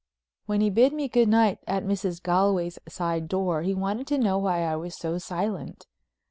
When he bid me good night at Mrs. Galway's side door he wanted to know why I was so silent?